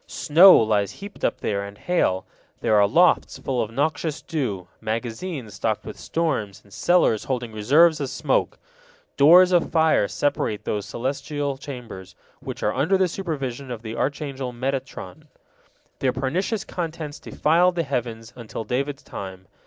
Snow lies heaped up there and hail; there are lofts full of noxious dew, magazines stocked with storms, and cellars holding reserves of smoke. Doors of fire separate these celestial chambers, which are under the supervision of the archangel Metatron. Their pernicious contents defiled the heavens until David's time.